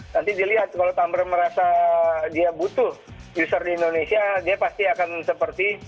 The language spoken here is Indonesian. nanti dilihat kalau tumbr merasa dia butuh user di indonesia dia pasti akan seperti